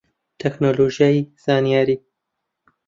تەکنۆلۆژیای زانیاری